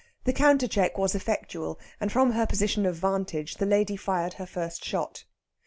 The countercheck was effectual, and from her position of vantage the lady fired her first shot.